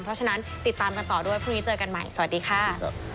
เพราะฉะนั้นติดตามกันต่อด้วยพรุ่งนี้เจอกันใหม่สวัสดีค่ะ